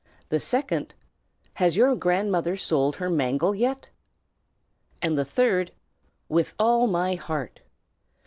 The second, "Has your grandmother sold her mangle yet?" And the third, "With all my heart!"